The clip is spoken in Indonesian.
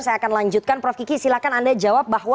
saya akan lanjutkan prof kiki silahkan anda jawab bahwa